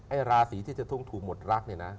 ราศีที่จะทุ่งถูกหมดรักเนี่ยนะ